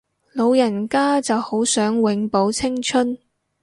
老人家就好想永葆青春